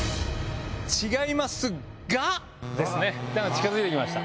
近づいてきました。